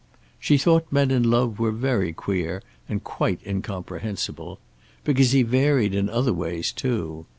She thought men in love were very queer and quite incomprehensible. Because he varied in other ways, too.